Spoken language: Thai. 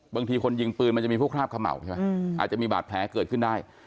บางทีคนยิงปืนมันจะมีพวกคราบเขม่าใช่ไหมอาจจะมีบาดแผลเกิดขึ้นได้